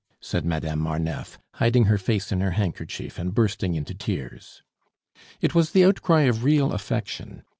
said Madame Marneffe, hiding her face in her handkerchief and bursting into tears. It was the outcry of real affection.